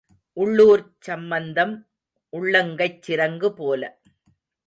உள்ளூர்ச் சம்பந்தம் உள்ளங்கைச் சிரங்கு போல.